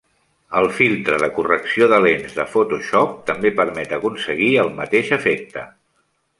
El filtre de correcció de lents de Photoshop també permet aconseguir el mateix efecte.